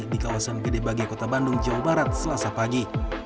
di kawasan gedebagi kota bandung jawa barat selasa pagi